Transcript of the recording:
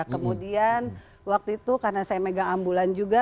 kemudian waktu itu karena saya megang ambulan juga